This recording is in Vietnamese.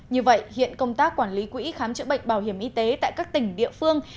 như vậy hiện công tác quản lý quỹ khám chữa bệnh bảo hiểm y tế tại các tỉnh địa phương